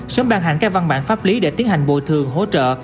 sớm ban hành các văn bản pháp lý để tiến hành bồi thường hỗ trợ